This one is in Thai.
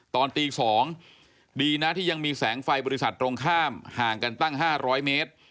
ตอนตี๒ดีนะที่ยังมีแสงไฟบริษัทตรงข้ามห่างกันตั้ง๕๐๐เมตร